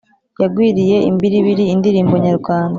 Yagwiriye imbiribiri indirimbo nyarwanda